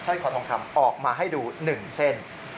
ร้อยคอทองคำออกมาให้ดู๑เส้น